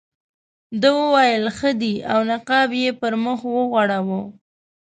ده وویل ښه دی او نقاب یې پر مخ وغوړاوه.